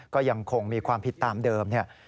ก็ยังคงมีความผิดตามเดิม